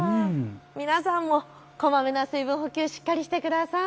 皆さんもこまめな水分補給、しっかりしてください。